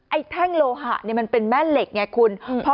ไอ้แท่งโลหะเนี้ยมันเป็นแม่เหล็กไงคุณอืม